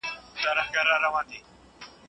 په کندهار کې یې د طلوع افغان جریده لېدلې وه.